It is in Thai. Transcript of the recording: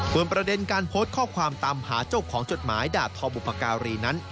ส่วนประเด็นการโพสต์ข้อความตามหาเจ้าของจดหมายด่าทอบุพการีนั้น